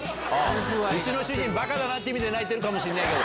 うちの主人、ばかだなっていう意味で泣いてるかもしれないけど。